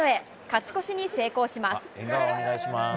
勝ち越しに成功します。